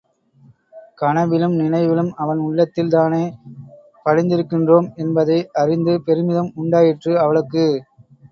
கனவிலும் நினைவிலும் அவன் உள்ளத்தில் தானே படிந்திருக்கின்றோம் என்பதை அறிந்து பெருமிதம் உண்டாயிற்று அவளுக்கு.